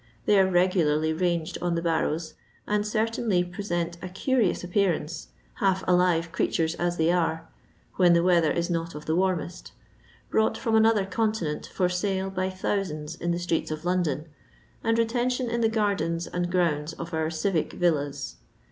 They are regularly rangt^ on the barrows, and certainly present a curious appearance— half alive creatures as they are (when the weather is not of the wannest), brought from another continent for sale by thousands in the strc'cts of London, and retention in the gardens and grounds of our civic villas.